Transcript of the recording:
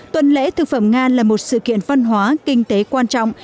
tuần lễ thực phẩm nga là một sự kiện văn hóa kinh tế quan trọng